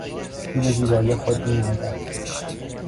او به زیبایی خود مینازد.